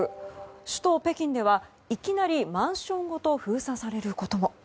首都・北京ではいきなりマンションごと封鎖されることも。